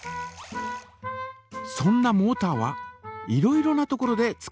そんなモータはいろいろな所で使われています。